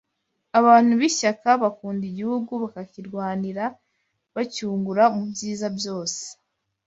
abantu b’ishyaka bakunda igihugu bakakirwanira bacyungura mu byiza byose